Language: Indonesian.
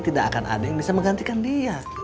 tidak akan ada yang bisa menggantikan dia